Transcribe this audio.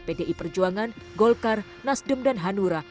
pdi perjuangan golkar nasdem dan hanura